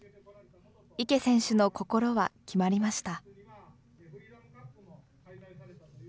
池選手の心は決まりました。